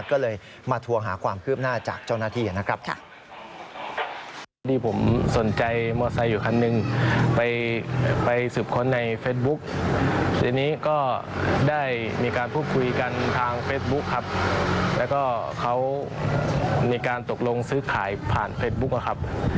ก็เลยมาทวงหาความคืบหน้าจากเจ้าหน้าที่นะครับ